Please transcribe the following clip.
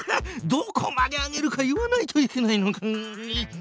どこまで上げるか言わないといけないのか！